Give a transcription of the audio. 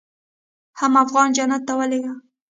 حم افغان جنت ته ولېږه.